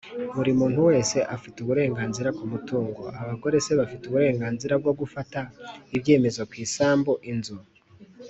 buri muntu wese afite uburenganzira ku mutungo abagore se bafite uburenganzira bwo gufata ibyemezo ku isambu, inzu,